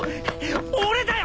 俺だよ！